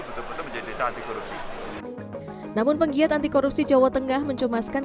betul betul menjadi desa anti korupsi namun penggiat anti korupsi jawa tengah mencemaskan